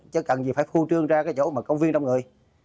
chứ cần gì phải khu trương ra cái chỗ mà công viên đông người